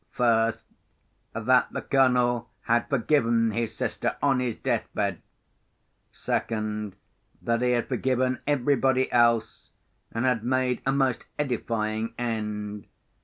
First, that the Colonel had forgiven his sister on his death bed. Second, that he had forgiven everybody else, and had made a most edifying end.